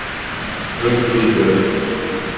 expedidor